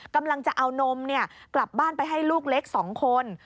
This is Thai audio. กำลังจะเอานมกลับบ้านไปให้ลูกเล็ก๒คน